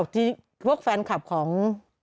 ที่พวกแฟนคลับของ